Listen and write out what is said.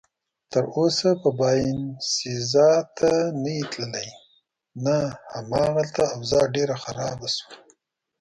تراوسه به باینسیزا ته نه یې تللی؟ نه، هماغلته اوضاع ډېره خرابه شوه.